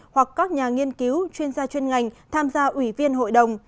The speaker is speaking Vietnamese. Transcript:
hoặc các nhà nghiên cứu chuyên gia chuyên ngành tham gia ủy viên hội đồng